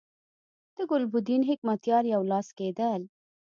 د ګلبدین حکمتیار یو لاس کېدل.